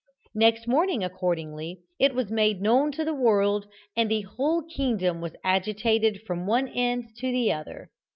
Next morning, accordingly, it was made known to the world, and the whole kingdom was agitated from one end to the other.